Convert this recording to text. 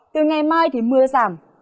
từ ngày mai thì mưa giảm